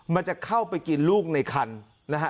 มันจะเข้าไปกินลูกในคันนะฮะ